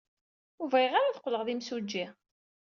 Ur bɣiɣ ara ad qqleɣ d imsujji.